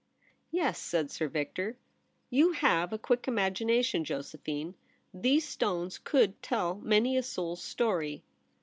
• Yes,' said Sir Victor. ' You have a quick imagination, Josephine. These stones could tell many a soul's story.'